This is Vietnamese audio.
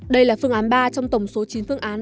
đây là phương án ba trong tổng số chín phương án